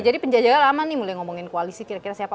penjajahnya lama nih mulai ngomongin koalisi kira kira siapa